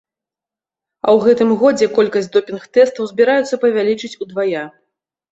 А ў гэтым годзе колькасць допінг тэстаў збіраюцца павялічыць удвая.